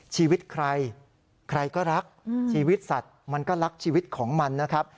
ชีวิตใครใครก็รักชีวิตสัตว์มันก็รักชีวิตของมันนะครับ